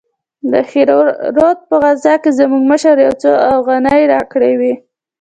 د دهراوت په غزا کښې زموږ مشر يو څو اوغانۍ راکړې وې.